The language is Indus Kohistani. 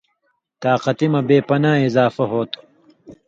طاقتی مہ بے پناہ اضافہ ہوتُھو۔